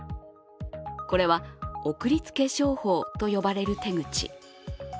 これは送りつけ商法と呼ばれる手口。